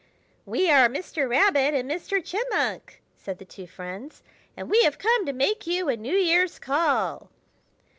"We are Mr. Rabbit and Mr. Chipmunk," said the two friends, "and we have come to make you a New Year's call."